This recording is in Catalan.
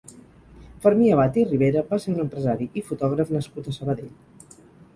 Fermí Abad i Ribera va ser un empresari i fotògraf nascut a Sabadell.